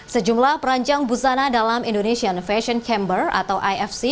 sejumlah perancang busana dalam indonesian fashion chamber atau ifc